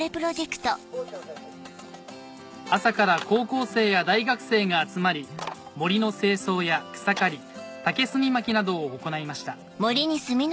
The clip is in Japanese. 朝から高校生や大学生が集まり森の清掃や草刈り竹炭まきなどを行いました